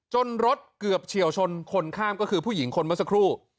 รถเกือบเฉียวชนคนข้ามก็คือผู้หญิงคนเมื่อสักครู่